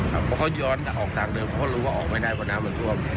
เพราะเขาย้อนออกทางเดิมเขาก็รู้ว่าออกไม่ได้เพราะน้ำมันท่วม